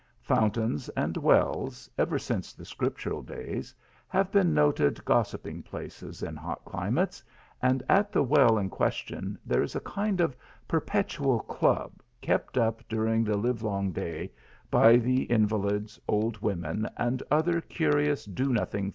Fountains and wells, ever since the scriptural clays, have been noted gossiping places in hot climates, and at the well in question there is a kind of per petual club kept up during the live long day, by the invalids, old women, and other curious, do nothing 160 THE ALHAMBRA.